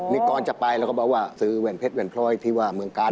นี่ก่อนจะไปแล้วก็บอกว่าซื้อแหวนเพชรแว่นพลอยที่ว่าเมืองกาล